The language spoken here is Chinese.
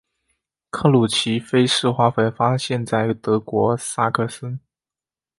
克鲁奇菲氏花粉发现在德国萨克森。